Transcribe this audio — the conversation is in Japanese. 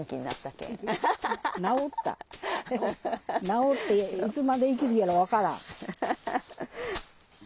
治っていつまで生きるやら分からん。